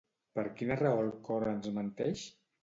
Per quina raó el cor ens menteix?